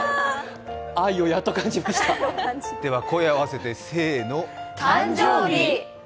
愛をやっと感じましたでは声を合わせて、誕生日。